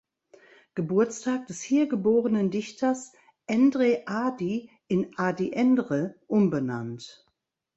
Geburtstag des hier geborenen Dichters Endre Ady in Ady Endre umbenannt.